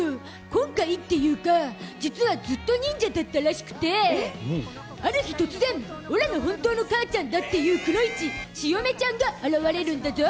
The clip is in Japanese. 今回というか実はずっと忍者だったらしくてある日突然、オラの本当の母ちゃんだっていうくノ一・ちよめちゃんが現れるんだゾ。